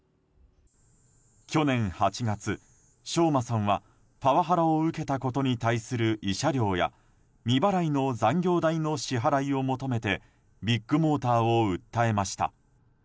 去年８月、翔馬さんはパワハラを受けたことに対する慰謝料や未払いの残業代の支払いを求めてビッグモーターを訴えました。